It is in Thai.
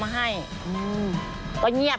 อันดับสุดท้าย